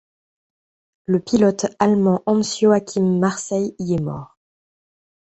Le pilote allemand Hans-Joachim Marseille y est mort.